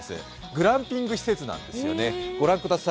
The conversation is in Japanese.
グランピング施設なんですよね。